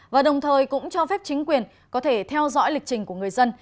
và đồng thời cũng cho phép chính quyền có thể theo dõi lịch trình của người dân